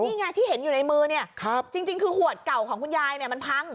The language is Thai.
นี่ไงที่เห็นอยู่ในมือเนี่ยจริงคือขวดเก่าของคุณยายเนี่ยมันพัง